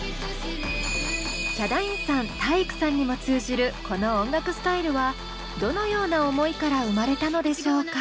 ヒャダインさん体育さんにも通じるこの音楽スタイルはどのような思いから生まれたのでしょうか？